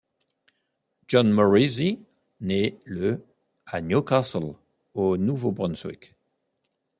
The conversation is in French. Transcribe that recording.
John Morrissy naît le à Newcastle, au Nouveau-Brunswick.